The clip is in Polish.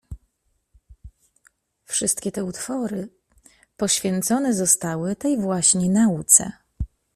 "Wszystkie te utwory poświęcone zostały tej właśnie nauce."